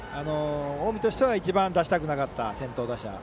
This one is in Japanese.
近江としては一番出したくなかった先頭打者。